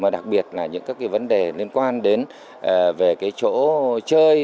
đặc biệt là những các vấn đề liên quan đến về chỗ chơi